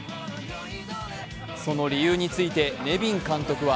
その理由についてネビン監督は